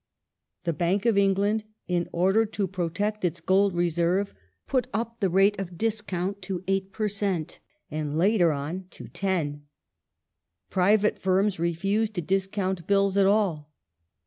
The Bank of England, in order to protect its gold reserve, put up the rate of discount to 8 per cent, and later on to 10. Private firms refused to discount bills at all.